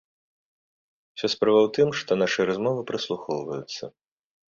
Уся справа ў тым, што нашы размовы праслухоўваюцца.